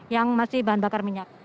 yang masih bahan bakar minyak